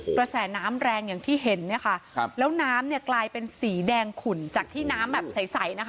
กระแสน้ำแรงอย่างที่เห็นแล้วน้ำกลายเป็นสีแดงขุ่นจากที่น้ำแบบใส